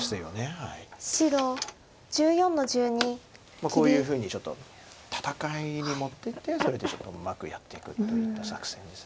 まあこういうふうにちょっと戦いに持っていってそれでちょっとうまくやっていくといった作戦です。